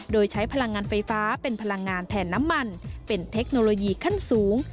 โดยใช้พลังงานไฟฟ้าเป็นพลังงานแทนน้ำมันเป็นเทคโนโลยีขั้นสูง